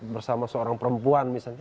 bersama seorang perempuan misalnya